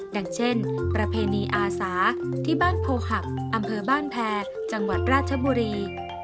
อย่างเช่นประเพณีอาสาที่บ้านโพหักอำเภอบ้านแพรจังหวัดราชบุรี